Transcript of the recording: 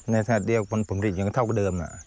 ในสถานที่เดียวกับฝนผลิตอย่างเท่าเดิม